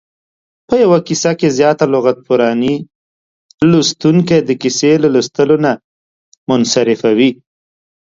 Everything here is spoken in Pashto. په یوه کیسه کې زیاته لغت پراني لوستونکی د کیسې له لوستلو نه منصرفوي.